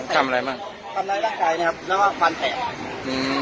ทำอะไรบ้างคำไรร่างกายเนี้ยครับเรียกว่าความแผนอืม